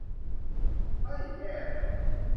เฮ้ย แย่แล้ว !